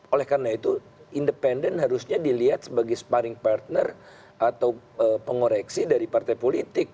oleh karena itu independen harusnya dilihat sebagai sparring partner atau pengoreksi dari partai politik